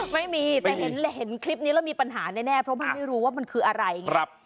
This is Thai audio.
ไม่มีแต่เห็นคลิปนี้แล้วมีปัญหาแน่เพราะมันไม่รู้ว่ามันคืออะไรไง